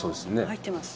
入ってます。